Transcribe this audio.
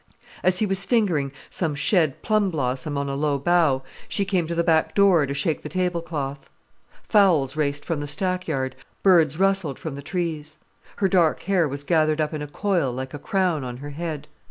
As he was fingering some shed plum blossom on a low bough, she came to the back door to shake the tablecloth. Fowls raced from the stackyard, birds rustled from the trees. Her dark hair was gathered up in a coil like a crown on her head.